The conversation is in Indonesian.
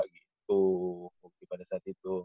gitu bukti pada saat itu